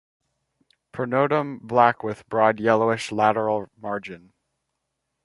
Pronotum black with broad yellowish lateral margin.